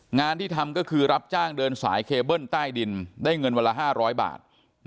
งานที่ทำก็คือรับจ้างเดินสายเคเบิ้ลใต้ดินได้เงินวันละ๕๐๐บาท